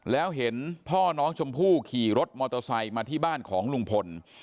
แล้วเห็นพ่อน้องชมพู่ขี่รถมอเตอร์ไซค์มาที่บ้านของลุงพล